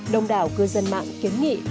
đông đảo cư dân mạng kiếm nghị